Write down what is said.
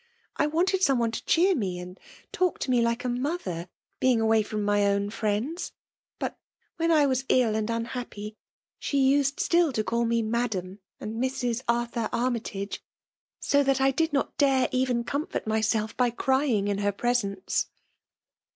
I wanted somebody to cheer me and talk to me like a mother, being away froift my own friends. But when I was ill and unhappy, * she used still to ciall me " Madam," and '^Mrs. Arthur Armytagc;" so that I did not' dare even comfort myself by crying in her pre? sence."